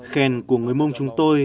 khen của người mông chúng tôi